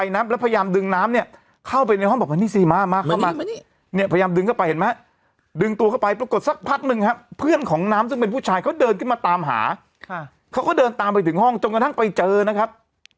น้ำซึ่งเป็นผู้ชายเขาเดินขึ้นมาตามหาค่ะเขาก็เดินตามไปถึงห้องจนกระทั่งไปเจอนะครับ